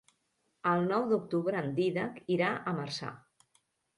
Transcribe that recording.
El nou d'octubre en Dídac irà a Marçà.